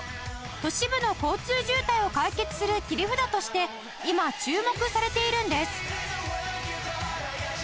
都市部の交通渋滞を解決する切り札として今注目されているんです